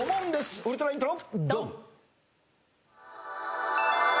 ウルトライントロ。